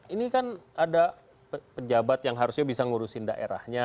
ini kan ada pejabat yang harusnya bisa ngurusin daerahnya